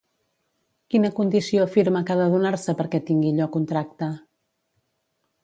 Quina condició afirma que ha de donar-se perquè tingui lloc un tracte?